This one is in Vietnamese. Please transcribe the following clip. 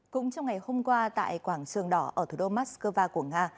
cũng trong ngày hôm qua tại quảng trường đỏ ở thủ đô moscow của nga